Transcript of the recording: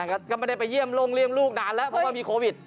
ก็ไม่ได้ไปเยี่ยมโรงเลี่ยงลูกนานแล้วเพราะว่ามีโควิด